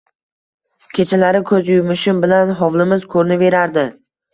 Kechalari ko‘z yumishim bilan hovlimiz ko‘rinaverardi.